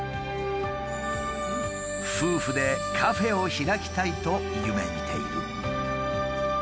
夫婦でカフェを開きたいと夢みている。